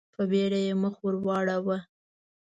په بېړه يې مخ ور واړاوه.